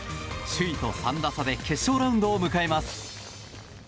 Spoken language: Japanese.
首位と３打差で決勝ラウンドを迎えます。